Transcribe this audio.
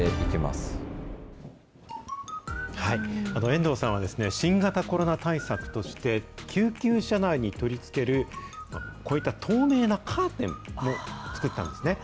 遠藤さんは、新型コロナ対策として、救急車内に取り付ける、こういった透明なカーテンも作ったんですね。